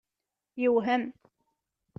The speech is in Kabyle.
Yewhem.